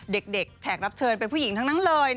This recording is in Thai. แขกรับเชิญเป็นผู้หญิงทั้งนั้นเลย